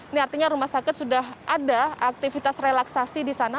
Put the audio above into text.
ini artinya rumah sakit sudah ada aktivitas relaksasi di sana